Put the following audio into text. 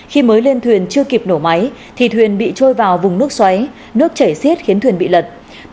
khi mới lên thuyền chưa kịp nổ máy thì thuyền bị trôi vào vùng nước xoáy nước chảy xiết khiến thuyền bị lật